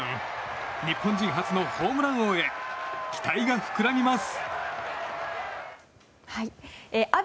日本時に初のホームラン王へ期待が膨らみます。